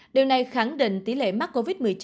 điều này khẳng định tỷ lệ mắc covid một mươi chín